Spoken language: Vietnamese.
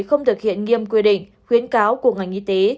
không thực hiện nghiêm quy định khuyến cáo của ngành y tế